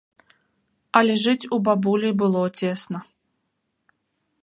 Але жыць у бабулі было цесна.